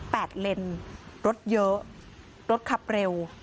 ดเลนรถเยอะรถขับเร็ว